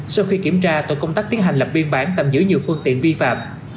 sau khi kiểm tra tội công tác tiến hành lập biên bản tạm giữ nhiều phương tiện vi phạm